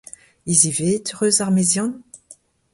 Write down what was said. Hizivaet 'c'h eus ar meziant ?